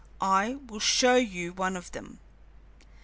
I will show you one of them."